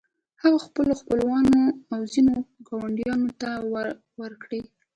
هغه خپلو خپلوانو او ځينو ګاونډيانو ته خبر ورکړ.